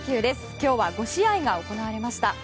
今日は５試合が行われました。